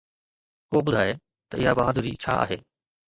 ڪو ٻڌائي ته اها بهادري ڇا آهي؟